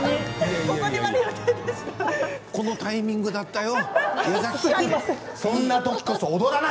このタイミングだったよ。